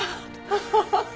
ハハハハ。